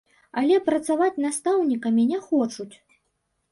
Але працаваць настаўнікамі не хочуць!